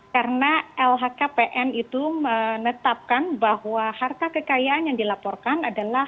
karena lhkpn itu menetapkan bahwa harta kekayaan yang dilaporkan adalah